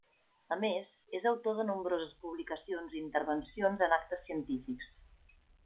A més, és autor de nombroses publicacions i intervencions en actes científics.